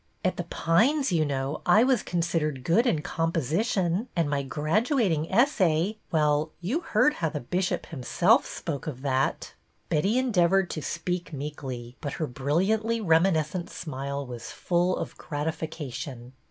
At The Pines, you know, I was considered good in composition. And my graduating essay — well, you heard how the Bishop himself spoke of that." "IN TIGHT PAPERS" 3 Betty endeavored to speak meekly, but her brilliantly reminiscent smile was full of grati fication.